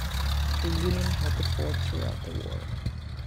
The Union held the fort throughout the war.